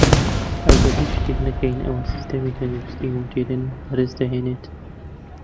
ئەگەر هیچ شتێک نەکەین ئەوە سیستەمی تەندروستی مودێرن هەرەس دەهێنێت